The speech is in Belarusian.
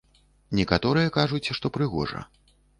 Некаторыя кажуць, што прыгожа.